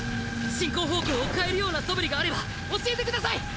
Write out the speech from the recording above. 進行方向を変えるような素振りがあれば教えて下さい！